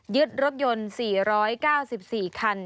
รถยนต์๔๙๔คัน